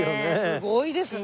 すごいですね。